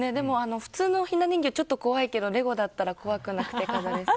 普通のひな人形ちょっと怖いけどレゴだったら怖くないですね。